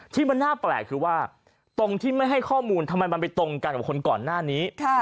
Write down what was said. ที่มันน่าแปลกคือว่าตรงที่ไม่ให้ข้อมูลทำไมมันไปตรงกันกับคนก่อนหน้านี้